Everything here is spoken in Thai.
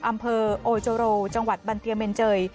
อำเภอโอโจโรจังหวัดบันเตียเมนเจย